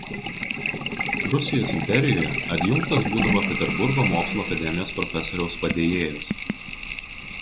Rusijos imperijoje adjunktas būdavo Peterburgo mokslų akademijos profesoriaus padėjėjas.